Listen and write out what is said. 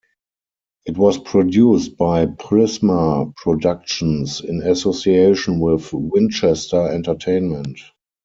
It was produced by Prisma Productions in association with Winchester Entertainment.